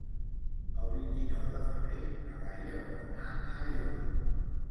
El vint-i-nou de febrer na Laia vol anar a Aiora.